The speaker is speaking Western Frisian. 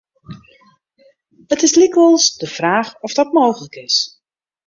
It is lykwols de fraach oft dat mooglik is.